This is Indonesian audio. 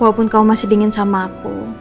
walaupun kau masih dingin sama aku